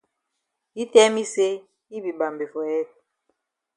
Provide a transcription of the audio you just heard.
Yi tell me say yi be mbambe for head.